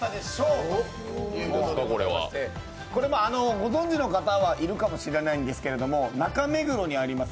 ご存じの方はいるかもしれないんですけど中目黒にあります